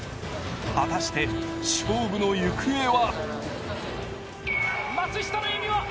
果たして勝負の行方は？